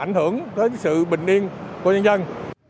ảnh hưởng tới sự bình yên của nhân dân